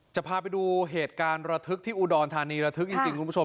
จะพาไปดูเหตุการณ์ระทึกที่อุดรธานีระทึกจริงคุณผู้ชม